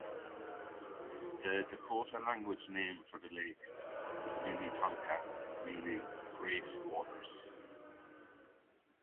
The Dakota-language name for the lake was "Minnetonka", meaning "great waters".